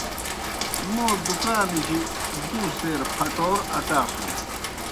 موں دُکانِجیْ دُو سیر پھٹور اٹاسُن۔